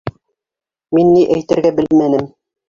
Мин ни әйтергә белмәнем.